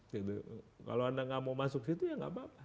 kalau anda nggak mau masuk situ ya nggak apa apa